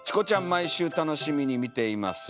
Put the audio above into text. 毎週楽しみに見ています」。